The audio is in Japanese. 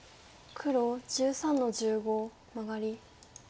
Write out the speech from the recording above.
黒１３の十五マガリ。